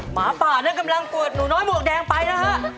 หมาป่านั้นกำลังกวดหนูน้อยหมวกแดงไปนะฮะ